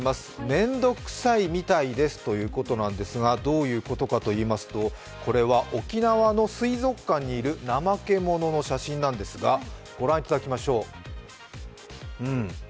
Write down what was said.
めんどくさいみたいですということなんですが、どういうことかというと、これは沖縄の水族館にいるナマケモノの写真なんですがご覧いただきましょう。